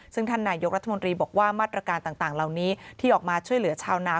ซึ่งท่านนายกรัฐมนตรีบอกว่ามาตรการต่างเหล่านี้ที่ออกมาช่วยเหลือชาวนา